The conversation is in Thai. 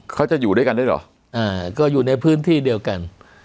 เขาจะอยู่ด้วยกันด้วยเหรออ่าก็อยู่ในพื้นที่เดียวกัน